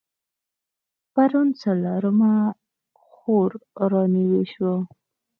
پرون څلرمه خور رانوې شوه.